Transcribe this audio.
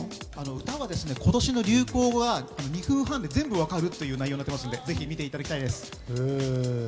歌は今年の流行語が２分半で全部分かるという内容になっているのでぜひ見ていただきたいです。